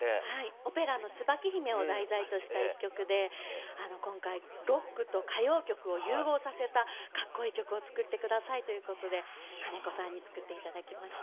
オペラの「椿姫」を題材とした一曲で今回ロックと歌謡曲を融合させたかっこいい曲を作って下さいということで金子さんに作って頂きました。